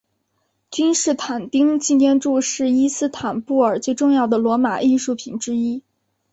君士坦丁纪念柱是伊斯坦布尔最重要的罗马艺术品之一。